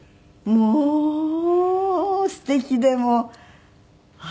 もうすてきで。